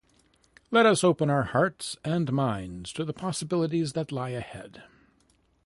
Let us open our hearts and minds to the possibilities that lie ahead.